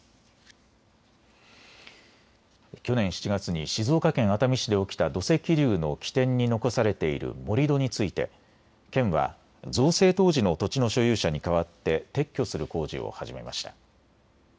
去年７月に静岡県熱海市で起きた土石流の起点に残されている盛り土について県は造成当時の土地の所有者に代わって撤去する工事を始めました。